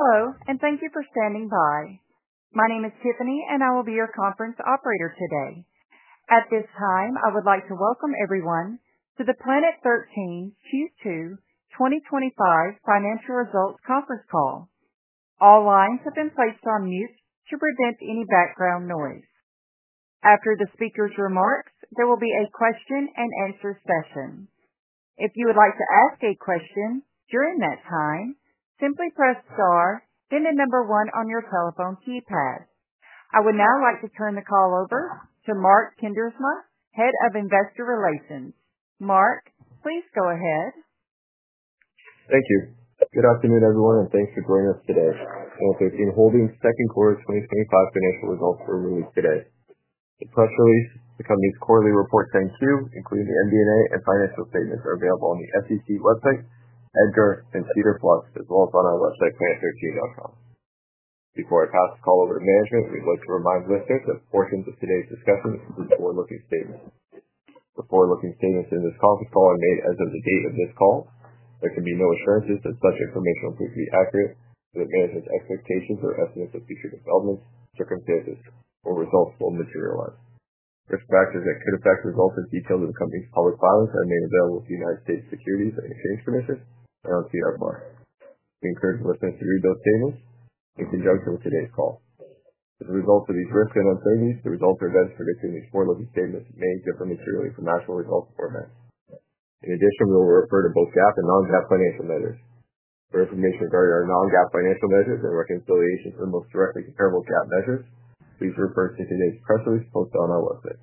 Hello, and thank you for standing by. My name is Tiffany, and I will be your conference operator today. At this time, I would like to welcome everyone to the Planet 13 Q2 2025 Financial Results Conference Call. All lines have been placed on mute to prevent any background noise. After the speaker's remarks, there will be a question and answer session. If you would like to ask a question during that time, simply press star, then the number one on your telephone keypad. I would now like to turn the call over to Mark Kuindersma, Head of Investor Relations. Mark, please go ahead. Thank you. Good afternoon, everyone, and thanks for joining us today. Planet 13 Holdings' Second Quarter 2025 Financial Results were released today. The press release, the company's quarterly reports 10-Q, including the MD&A and financial statements, are available on the SEC website, EDGAR and SEDAR+, as well as on our website, planet13.com. Before I pass the call over to management, we would like to remind listeners that portions of today's discussion include forward-looking statements. The forward-looking statements in this conference call are made as of the date of this call. There can be no assurances that such information will prove to be accurate, that management's expectations or estimates of future developments should compare to or results fully materialize. Risk factors that could affect the results are detailed in the company's public filings that are made available to the United States Securities and Exchange Commission, and are on SEDAR. We encourage listeners to read those tables in conjunction with today's call. As a result of these risks and uncertainties, the results are best predicted in these forward-looking statements made to a fully materialized financial result format. In addition, we will refer to both GAAP and non-GAAP financial measures. For information regarding our non-GAAP financial measures and reconciliation for the most directly comparable GAAP measures, please refer to today's press release posted on our website.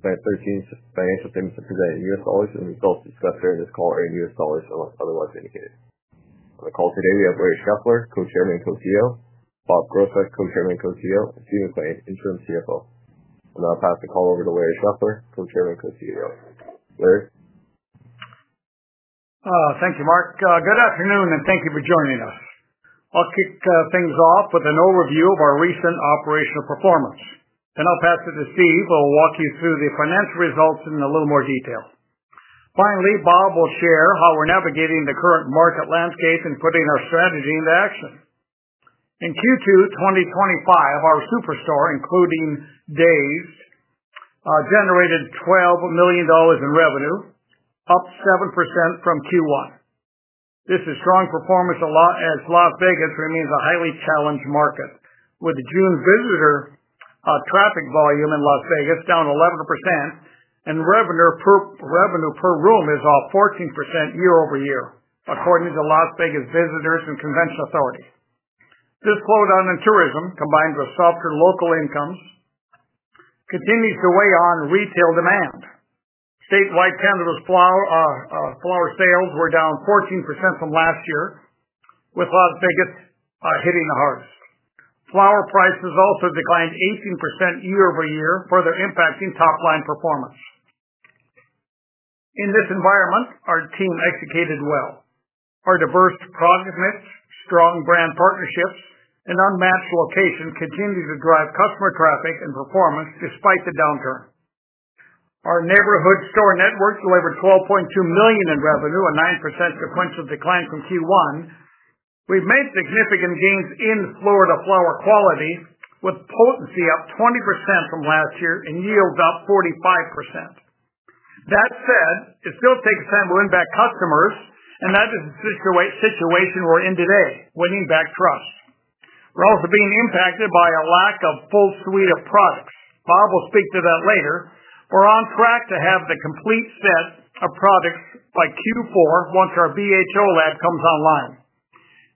Planet 13's financial statements are presented in U.S. dollars, and the results discussed during this call are in U.S. dollars unless otherwise indicated. On the call today, we have Larry Scheffler, Co-Chairman and Co-CEO, Bob Groesbeck, Co-Chairman and Co-CEO, and Steve McLean as Interim CFO. I'll now pass the call over to Larry Scheffler, Co-Chairman and Co-CEO. Larry? Thank you, Mark. Good afternoon, and thank you for joining us. I'll kick things off with an overview of our recent operational performance, then I'll pass it to Steve who will walk you through the financial results in a little more detail. Finally, Bob will share how we're navigating the current market landscape and putting our strategy into action. In Q2 2025, our SuperStore, including DAZED!, generated $12 million in revenue, up 7% from Q1. This is strong performance as Las Vegas remains a highly challenged market, with the June visitor traffic volume in Las Vegas down 11%, and revenue per room is up 14% year-over-year, according to Las Vegas Visitors and Convention Authority. This slowdown in tourism, combined with softer local incomes, continues to weigh on retail demand. Statewide cannabis flower sales were down 14% from last year, with Las Vegas hit the hardest. Flower prices also declined 18% year-over-year, further impacting top-line performance. In this environment, our team executed well. Our diverse product mix, strong brand partnerships, and unmatched locations continue to drive customer traffic and performance despite the downturn. Our neighborhood store network delivered $12.2 million in revenue, a 9% sequential decline from Q1. We've made significant gains in Florida flower quality, with potency up 20% from last year and yields up 45%. That said, it still takes time to win back customers, and that is the situation we're in today, winning back trust. We're also being impacted by a lack of a full suite of products. Bob will speak to that later. We're on track to have the complete set of products by Q4 once our BHO lab comes online.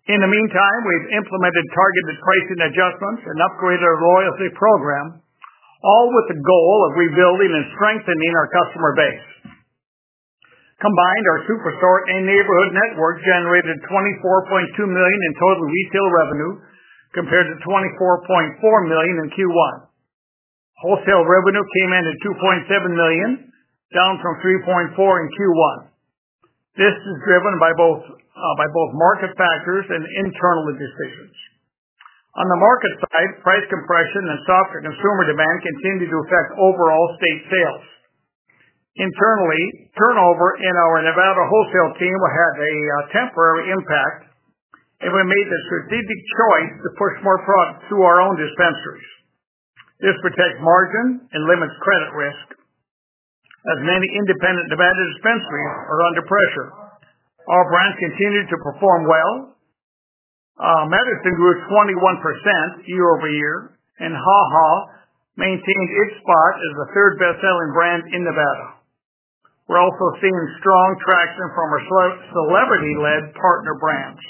In the meantime, we've implemented targeted pricing adjustments and upgraded our loyalty program, all with the goal of rebuilding and strengthening our customer base. Combined, our SuperStore and neighborhood network generated $24.2 million in total retail revenue compared to $24.4 million in Q1. Wholesale revenue came in at $2.7 million, down from $3.4 million in Q1. This is driven by both market factors and internal indicators. On the market side, price compression and softer consumer demand continue to affect overall state sales. Internally, turnover in our Nevada wholesale team had a temporary impact, and we made the strategic choice to push more products through our own dispensaries. This protects margin and limits credit risk. As many independent Nevada dispensaries are under pressure, our brands continue to perform well. Medizin grew 21% year-over-year and HaHa maintains its spot as the third best-selling brand in Nevada. We're also seeing strong traction from our celebrity-led partner brands.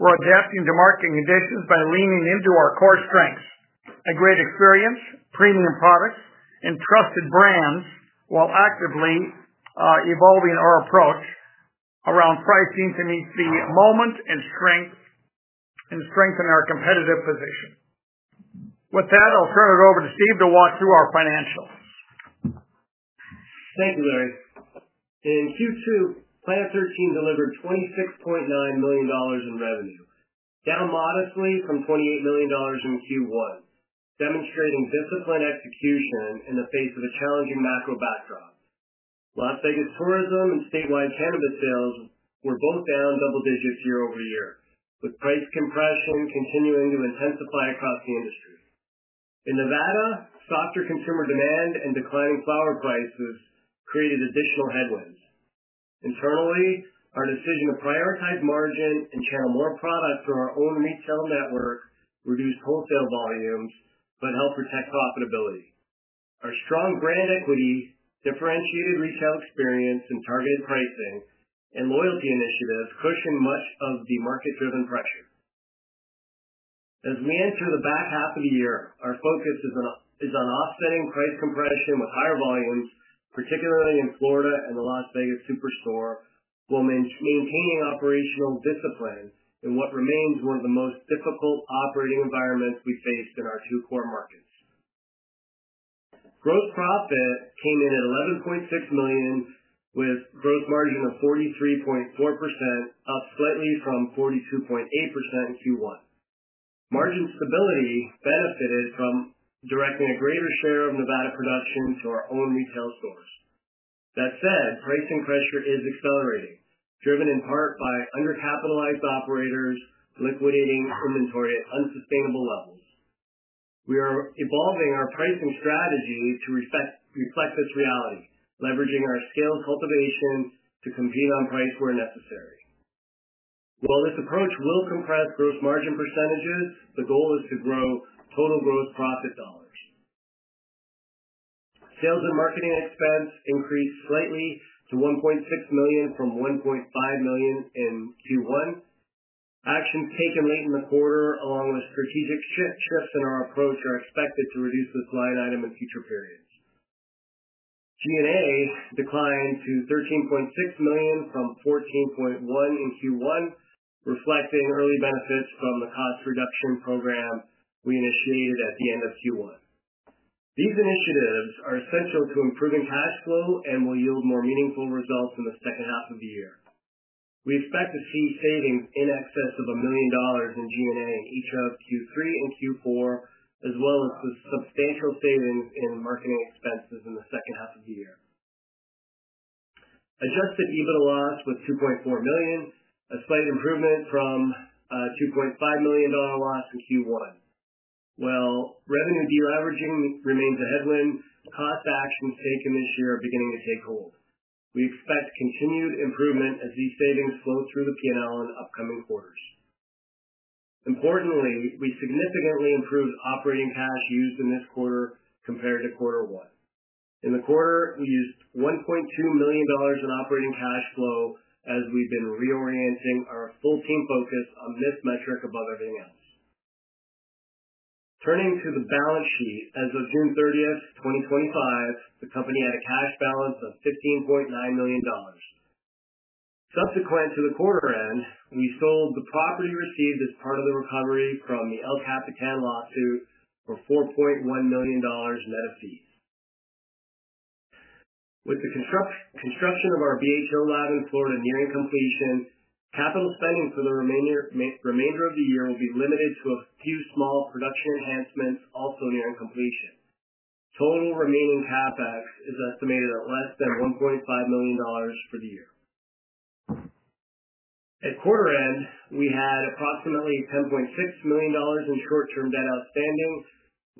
We're adapting to market conditions by leaning into our core strengths: a great experience, premium products, and trusted brands, while actively evolving our approach around pricing to meet the moment and strengthen our competitive position. With that, I'll turn it over to Steve to walk through our financials. Thank you, Larry. In Q2, Planet 13 delivered $26.9 million in revenue, down modestly from $28 million in Q1, demonstrating disciplined execution in the face of a challenging macro backdrop. Las Vegas tourism and statewide cannabis sales were both down double digits year-over-year, with price compression continuing to intensify across the industry. In Nevada, softer consumer demand and declining flower prices created additional headwinds. Internally, our decision to prioritize margin and channel more products through our own retail network reduced wholesale volumes, but helped protect profitability. Our strong brand equity, differentiated retail experience, and targeted pricing and loyalty initiatives cushioned much of the market-driven pressure. As we enter the back half of the year, our focus is on offsetting price compression with higher volumes, particularly in Florida and the Las Vegas SuperStore, while maintaining operational discipline in what remains one of the most difficult operating environments we faced in our two core markets. Gross profit came in at $11.6 million, with a gross margin of 43.4%, up slightly from 42.8% in Q1. Margin stability benefited from directing a greater share of Nevada production to our own retail stores. That said, pricing pressure is accelerating, driven in part by undercapitalized operators liquidating inventory at unsustainable levels. We are evolving our pricing strategy to reflect this reality, leveraging our sales cultivation to compete on price where necessary. While this approach will compress gross margin percentages, the goal is to grow total gross profit dollars. Sales and marketing expense increased slightly to $1.6 million from $1.5 million in Q1. Actions taken late in the quarter, along with strategic shifts in our approach, are expected to reduce the line item in future periods. G&A declined to $13.6 million from $14.1 million in Q1, reflecting early benefits from the cost reduction program we initiated at the end of Q1. These initiatives are essential to improving cash flow and will yield more meaningful results in the second half of the year. We expect to see savings in excess of $1 million in G&A in each of Q3 and Q4, as well as substantial savings in marketing expenses in the second half of the year. Adjusted EBITDA loss was $2.4 million, a slight improvement from a $2.5 million loss in Q1. While revenue de-leveraging remains a headwind, cost actions taken this year are beginning to take hold. We expect continued improvement as these savings flow through the P&L in upcoming quarters. Importantly, we significantly improved operating cash used in this quarter compared to quarter one. In the quarter, we used $1.2 million in operating cash flow as we've been reorienting our full team focus on this metric above everything else. Turning to the balance sheet, as of June 30th, 2025, the company had a cash balance of $15.9 million. Subsequent to the quarter end, we sold the property received as part of the recovery from the El Capitan lawsuit for $4.1 million in net fees. With the construction of our BHO lab in Florida nearing completion, capital spending for the remainder of the year will be limited to a few small production enhancements also nearing completion. Total remaining CapEx is estimated at less than $1.5 million for the year. At quarter end, we had approximately $10.6 million in short-term debt outstanding,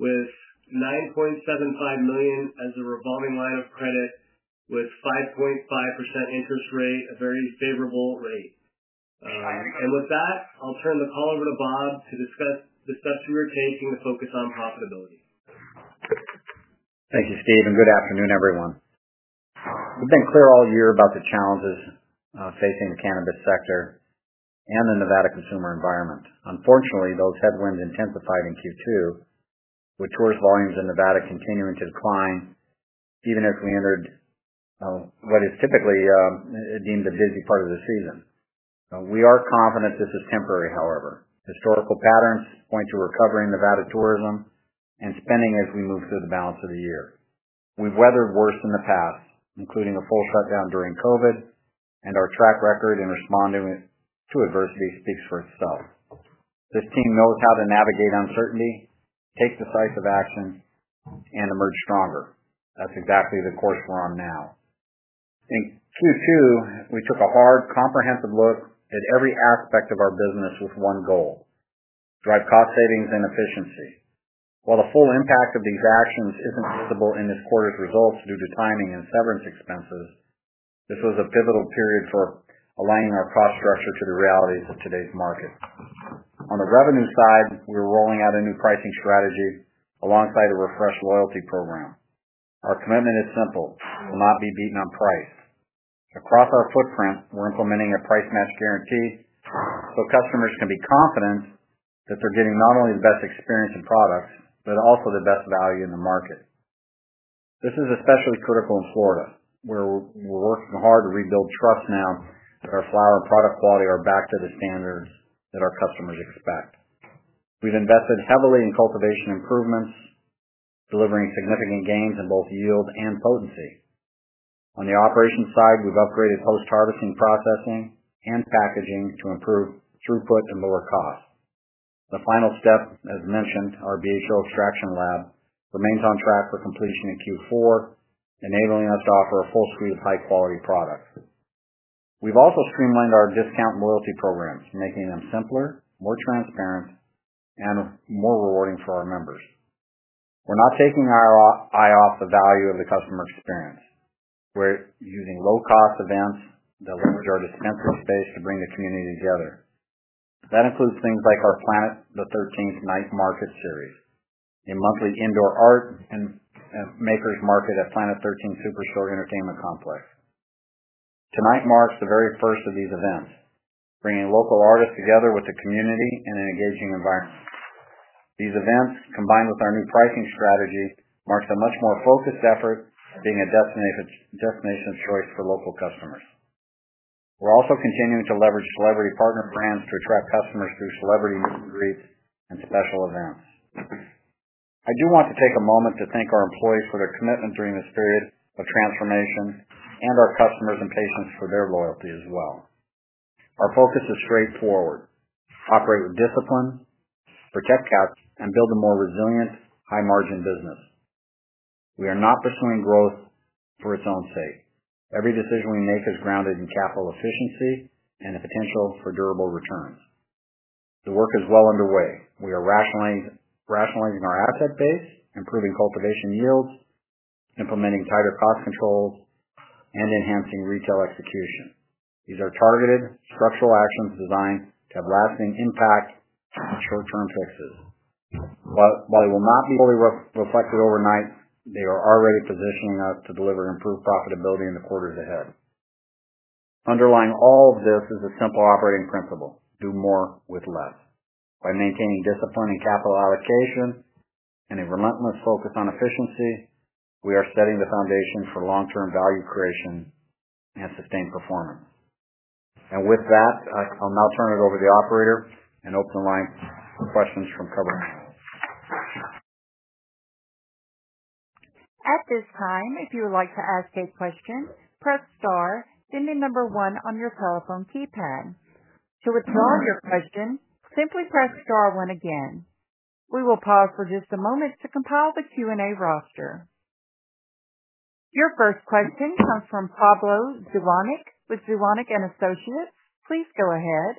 with $9.75 million as a revolving line of credit, with a 5.5% interest rate, a very favorable rate. With that, I'll turn the call over to Bob to discuss the steps we are taking to focus on profitability. Thank you, Steve, and good afternoon, everyone. We've been clear all year about the challenges facing the cannabis sector and the Nevada consumer environment. Unfortunately, those headwinds intensified in Q2, with tourist volumes in Nevada continuing to decline, even as we entered what is typically deemed a busy part of the season. We are confident this is temporary, however. Historical patterns point to recovery in Nevada tourism and spending as we move through the balance of the year. We've weathered worse in the past, including a full cutdown during COVID, and our track record in responding to adversity speaks for itself. This team knows how to navigate uncertainty, take decisive actions, and emerge stronger. That's exactly the course we're on now. In Q2, we took a hard, comprehensive look at every aspect of our business with one goal: drive cost savings and efficiency. While the full impact of these actions isn't visible in this quarter's results due to timing and severance expenses, this was a pivotal period for aligning our cost structure to the realities of today's market. On the revenue side, we're rolling out a new pricing strategy alongside a refreshed loyalty program. Our commitment is simple: we'll not be beaten on price. Across our footprint, we're implementing a price match guarantee so customers can be confident that they're getting not only the best experience and products, but also the best value in the market. This is especially critical in Florida, where we're working hard to rebuild trust now that our flower and product quality are back to the standard that our customers expect. We've invested heavily in cultivation improvements, delivering significant gains in both yield and potency. On the operations side, we've upgraded post-harvesting, processing, and packaging to improve throughput and lower costs. The final step, as mentioned, our BHO extraction lab remains on track for completion in Q4, enabling us to offer a full suite of high-quality products. We've also streamlined our discount and loyalty programs, making them simpler, more transparent, and more rewarding for our members. We're not taking our eye off the value of the customer experience. We're using low-cost events that leverage our dispensary space to bring the community together. That includes things like our Planet the 13th Night Market series, a monthly indoor art and maker's market at Planet 13 SuperStore Entertainment Complex. Tonight marks the very first of these events, bringing local artists together with the community in an engaging environment. These events, combined with our new pricing strategies, mark a much more focused effort being a destination choice for local customers. We're also continuing to leverage celebrity partner brands to attract customers through celebrity meet-and-greets and special events. I do want to take a moment to thank our employees for their commitment during this period of transformations and our customers and patience for their loyalty as well. Our focus is straightforward: operate with discipline, protect cash, and build a more resilient, high-margin business. We are not pursuing growth for its own sake. Every decision we make is grounded in capital efficiency and the potential for durable returns. The work is well underway. We are rationalizing our asset base, improving cultivation yields, implementing tighter cost controls, and enhancing retail execution. These are targeted structural actions designed to have lasting impacts, not short-term fixes. While they will not be fully reflected overnight, they are already positioning us to deliver improved profitability in the quarters ahead. Underlying all of this is a simple operating principle: do more with less. By maintaining discipline in capital allocation and a relentless focus on efficiency, we are setting the foundation for long-term value creation and sustained performance. I will now turn it over to the operator and open the line for questions from customers. At this time, if you would like to ask a question, press star, then the number one on your telephone keypad. To resolve your question, simply press star one again. We will pause for just a moment to compile the Q&A roster. Your first question comes from Pablo Zuanic with Zuanic & Associates. Please go ahead.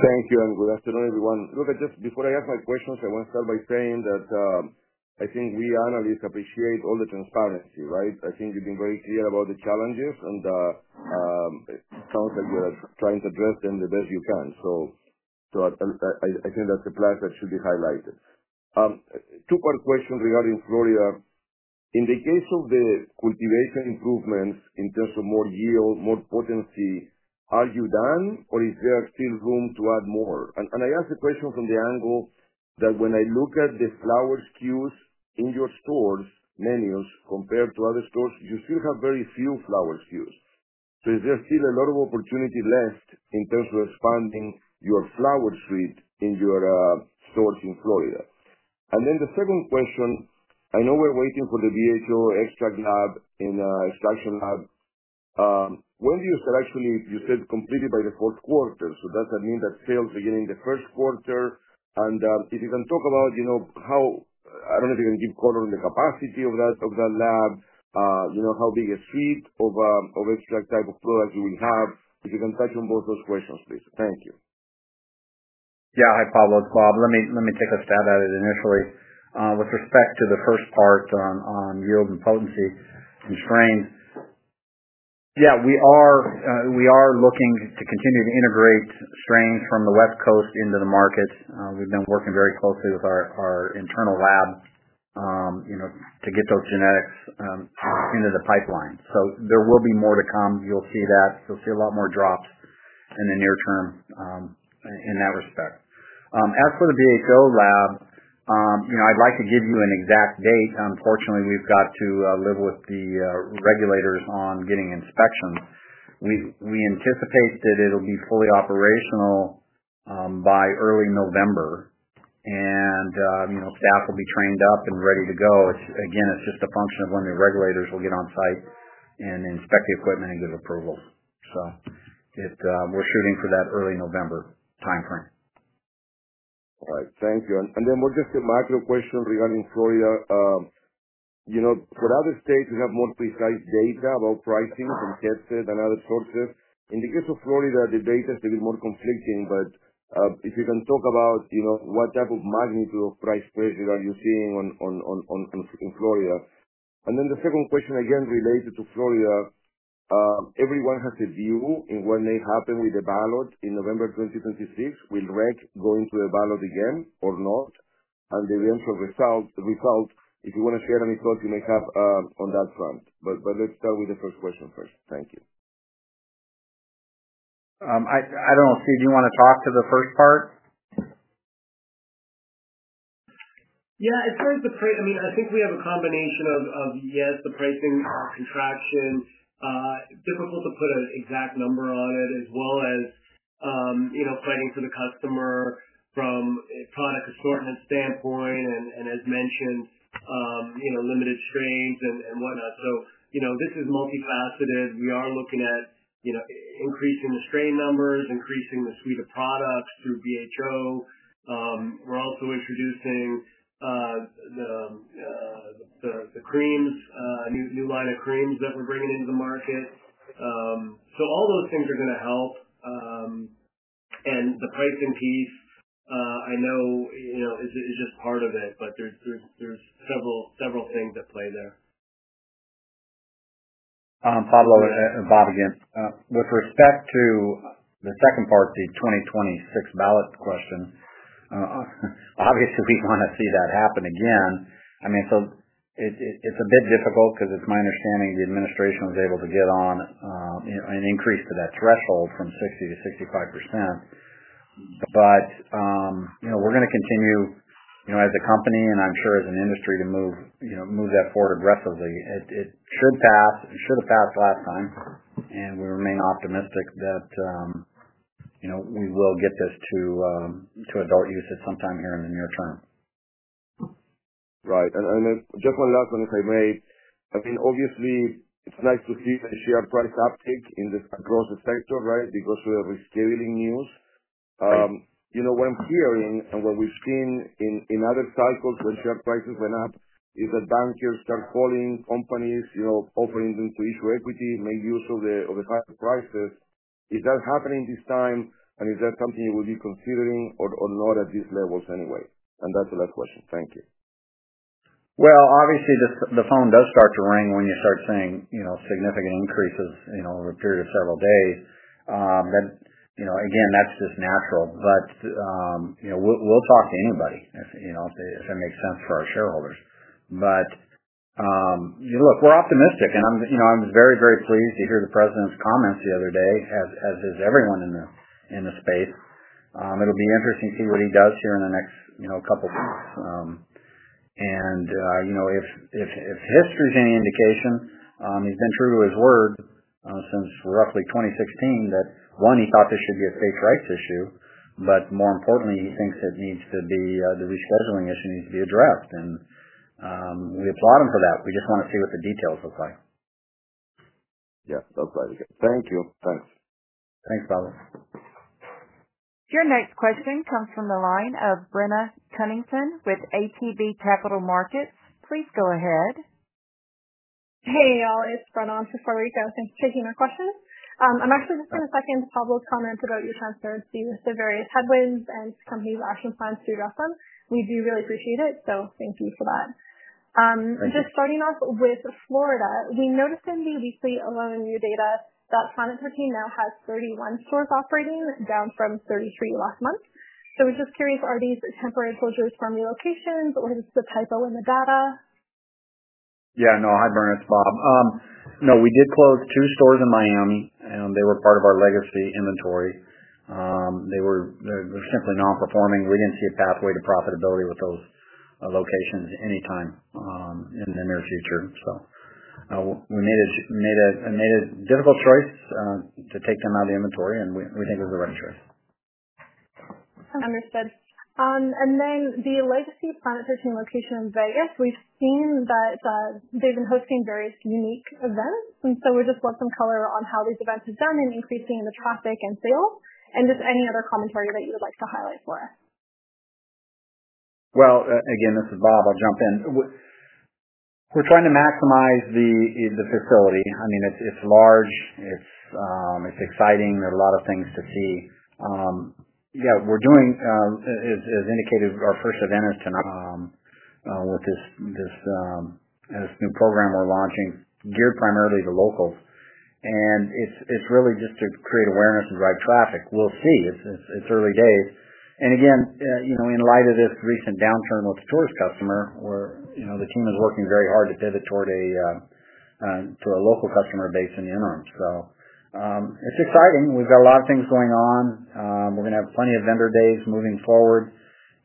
Thank you, and good afternoon, everyone. I just before I ask my questions, I want to start by saying that I think we analysts appreciate all the transparency, right? I think you've been very clear about the challenges, and it sounds like you're trying to address them the best you can. I think that's a plus that should be highlighted. Two-part question regarding Florida. In the case of the cultivation improvements in terms of more yield, more potency, are you done, or is there still room to add more? I ask the question from the angle that when I look at the flower SKUs in your stores' menus compared to other stores, you still have very few flower SKUs. Is there still a lot of opportunity left in terms of expanding your flower suite in your stores in Florida? The second question, I know we're waiting for the BHO lab, extraction lab. When do you start actually, you said completed by the fourth quarter? Does that mean that sales beginning the first quarter? If you can talk about, you know, how I don't know if you can give color on the capacity of that lab, you know, how big a sheet of extract type of products do we have? If you can touch on both those questions, please. Thank you. Yeah. Hi, Pablo. It's Bob. Let me take a stab at it initially. With respect to the first part on yield and potency and strains, yeah, we are looking to continue to integrate strains from the West Coast into the market. We've been working very closely with our internal lab to get those genetics into the pipeline. There will be more to come. You'll see that. You'll see a lot more drops in the near term in that respect. As for the BHO lab, I'd like to give you an exact date. Unfortunately, we've got to live with the regulators on getting inspections. We anticipate that it'll be fully operational by early November. Staff will be trained up and ready to go. Again, it's just a function of when the regulators will get on site and inspect the equipment and give approval. We're shooting for that early November timeframe. All right. Thank you. Just a micro question regarding Florida. For other states, we have more precise data about pricing from Headset and other sources. In the case of Florida, the data is a little bit more conflicting, but if you can talk about what type of magnitude of price pressure are you seeing in Florida? The second question, again related to Florida, everyone has a view in what may happen with the ballot in November 2026. Will REC go into the ballot again or not? The eventual result, if you want to share any thoughts you may have on that front. Let's start with the first question first. Thank you. I don't know, Steve, do you want to talk to the first part? As far as the price, I mean, I think we have a combination of yes, the pricing contraction. Difficult to put an exact number on it, as well as fighting for the customer from a product assortment standpoint and, as mentioned, limited strains and whatnot. This is multifaceted. We are looking at increasing the strain numbers, increasing the suite of products through BHO. We're also introducing the creams, new line of creams that we're bringing into the market. All those things are going to help. The pricing piece, I know, is just part of it, but there's several things at play there. Pablo and Bob again. With respect to the second part, the 2026 ballot question, obviously, we want to see that happen again. It's a bit difficult because it's my understanding the administration was able to get on an increase to that threshold from 50%-65%. We're going to continue, as a company, and I'm sure as an industry, to move that forward aggressively. It should pass. It should have passed last time. We remain optimistic that we will get this to adult usage sometime here in the near term. Right. Just one last comment I made. Obviously, it's nice to see the share price uptick across the spectrum, right, because we are rescaling news. You know, what I'm hearing and what we've seen in other cycles when share prices went up is that bankers started calling companies, offering them to issue equity, make use of the cut prices. Is that happening this time? Is that something you will be considering or not at these levels anyway? That's the last question. Thank you. Obviously, the phone does start to ring when you start seeing significant increases over a period of several days, but that's just natural. We'll talk to anybody if it makes sense for our shareholders. We're optimistic. I'm very, very pleased to hear the President's comments the other day, as is everyone in the space. It'll be interesting to see what he does here in the next couple of weeks. If history is any indication, he's been true to his word since roughly 2016 that, one, he thought this should be a safe rights issue, but more importantly, he thinks the rescheduling issue needs to be addressed. We applaud him for that. We just want to see what the details look like. Yes, that's right. Thank you. Thanks. Thanks, Pablo. Your next question comes from the line of Brenna Cunnington with ATB Capital Markets. Please go ahead. Hey, y'all. It's Brenna on Safari. Thanks for taking our question. I'm actually just going to second Pablo's comments about your time spent doing the various headwinds and just come here with action plans to address them. We do really appreciate it. Thank you for that. Just starting off with Florida, we noticed in the weekly alone new data that Planet 13 now has 31 stores operating, down from 33 last month. We're just curious, are these temporary closures from relocations, or is this the pipeline in Nevada? Yeah. No. Hi, Brenna. It's Bob. No, we did close two stores in Miami, and they were part of our legacy inventory. They were simply not performing. We didn't see a pathway to profitability with those locations anytime in the near future. We made a difficult choice to take them out of the inventory, and we think it was the right choice. Understood. The legacy Planet 13 location in Vegas, we've seen that they've been hosting various unique events. We just want some color on how these events have done in increasing the traffic and sales, and just any other commentary that you would like to highlight for us? This is Bob. I'll jump in. We're trying to maximize the facility. I mean, it's large, it's exciting. There are a lot of things to see. As indicated, our first event is tonight with this new program we're launching geared primarily to locals. It's really just to create awareness and drive traffic. We'll see. It's early days. In light of this recent downturn with the tourist customer, the team is working very hard to pivot toward a local customer base in the interim. It's exciting. We've got a lot of things going on. We're going to have plenty of vendor days moving forward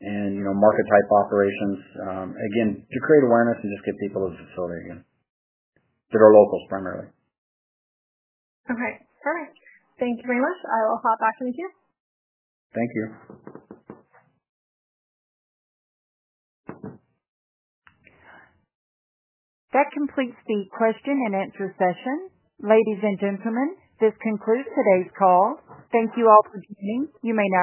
and market-type operations, again, to create awareness and just get people to the facility again, to their locals primarily. Okay. Perfect. Thank you very much. I will hop back in here. Thank you. That completes the question and answer session. Ladies and gentlemen, this concludes today's call. Thank you all for joining. You may now.